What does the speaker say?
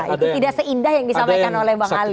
itu tidak seindah yang disampaikan oleh bang ali